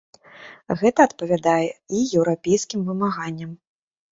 Гэта адпавядае і еўрапейскім вымаганням.